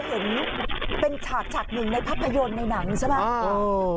เห็นเป็นฉากฉากหนึ่งในภาพยนตร์ในหนังใช่ไหม